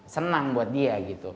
senang buat dia